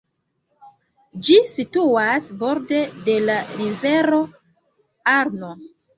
Ĝi situas borde de la rivero Arno.